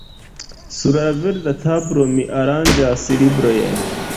Sur la verda tablo mi aranĝas librojn.